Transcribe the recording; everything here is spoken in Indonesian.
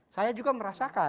saya juga merasakan